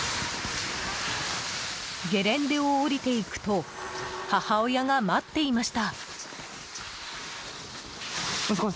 ゲレンデを下りていくと母親が待っていました。